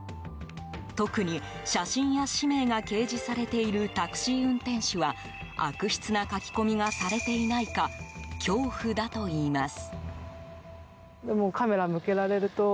特に写真や氏名が掲示されているタクシー運転手は悪質な書き込みがされていないか恐怖だといいます。